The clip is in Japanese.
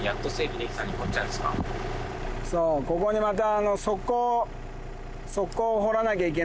そうここにまた。